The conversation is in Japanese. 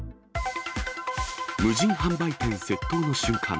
無人販売店で窃盗の瞬間。